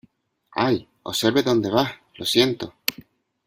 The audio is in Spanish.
¡ Ay! ¡ observe donde va !¡ lo siento !